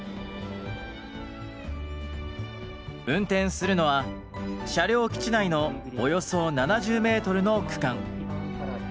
運転するのは車両基地内のおよそ７０メートルの区間。